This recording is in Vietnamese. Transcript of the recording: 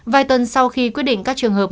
vài tuần sau khi quyết định các trường hợp